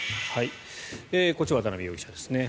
こっち渡邊容疑者ですね。